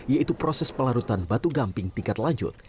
yaitu proses pelarutan batu gamping tingkat lanjut